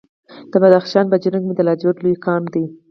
د بدخشان په جرم کې د لاجوردو لوی کان دی.